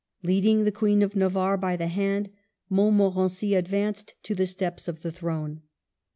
Leading the Queen of Navarre by the hand, Montmorency advanced to the steps of the throne.